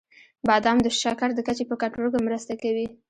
• بادام د شکر د کچې په کنټرول کې مرسته کوي.